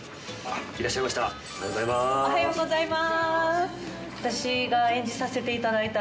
いらっしゃいました。